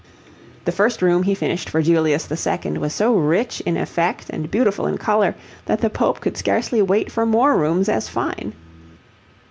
The first room he finished for Julius II. was so rich in effect and beautiful in colour that the Pope could scarcely wait for more rooms as fine.